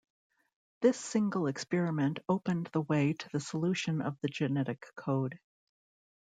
This single experiment opened the way to the solution of the genetic code.